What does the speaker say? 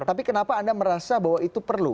tapi kenapa anda merasa bahwa itu perlu